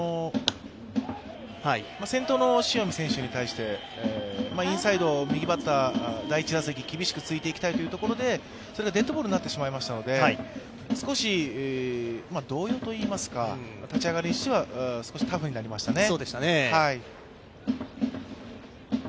先頭の塩見選手に対して、右サイド、インサイドを第１打席、厳しくついていきたいところでデッドボールになってしまいましたので、少し動揺といいますか、立ち上がりとしては少しタフになりましたね。